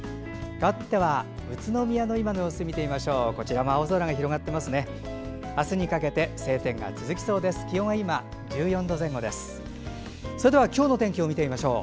かわっては宇都宮の今の様子見てみましょう。